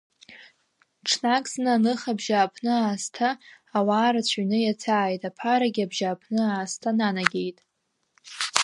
Ҽнак зны аныха абжьааԥны аасҭа ауаа рацәаҩны иаҭааит, аԥарагьы абжьааԥны аасҭа нанагеит.